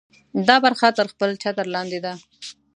دا برخه تر خپل چتر لاندې ده.